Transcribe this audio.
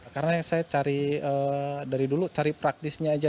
karena saya dari dulu cari praktisnya aja